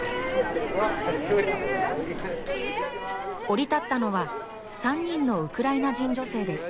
降り立ったのは３人のウクライナ人女性です。